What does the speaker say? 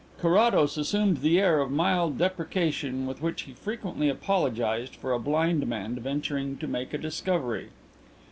Carrados assumed the air of mild deprecation with which he frequently apologized for a blind man venturing to make a discovery.